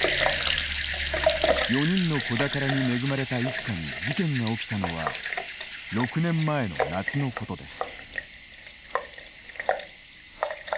４人の子宝に恵まれた一家に事件が起きたのは６年前の夏のことです。